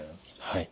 はい。